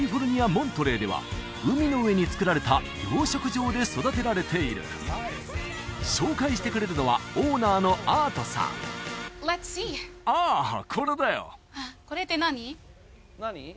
モントレーでは海の上につくられた養殖場で育てられている紹介してくれるのはああこれだよこれって何？